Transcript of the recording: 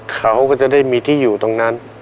เขาก็จะได้มีที่อยู่ตรงนั้น